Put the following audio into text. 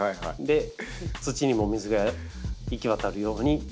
土にも水が行き渡るようにやります。